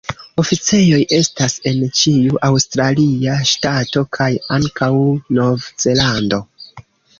Oficejoj estas en ĉiu aŭstralia ŝtato kaj ankaŭ Nov-Zelando.